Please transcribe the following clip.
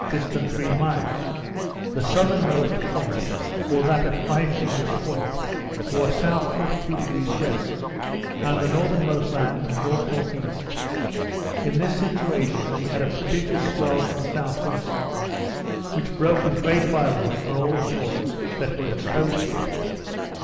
distant three miles; the southernmost point, or that of Five Fingers Point, bore south 42° W., and the northernmost land N.N.E. In this situation we had a prodigious swell from S.W., which broke with great violence on all the shores that were exposed to it.